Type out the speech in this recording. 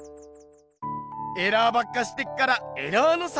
エラーばっかしてっからエラーノサウルス！